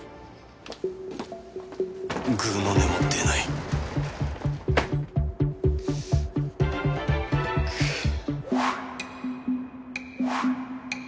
ぐうの音も出ないくっ。